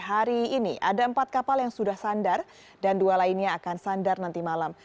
hari ini ada empat kapal yang sudah sandar dan dua lainnya akan sandar nanti malam